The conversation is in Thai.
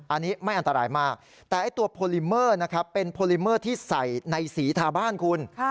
อันนี้ไม่อันตรายมากแต่ไอ้ตัวโพลิเมอร์นะครับเป็นโพลิเมอร์ที่ใส่ในสีทาบ้านคุณ